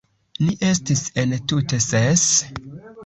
Ni estis entute ses.